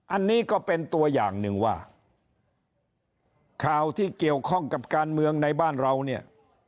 อันนี้ก็เป็นตัวอย่างหนึ่งว่าข่าวที่เกี่ยวข้องกับการเมืองในบ้านเราเนี่ย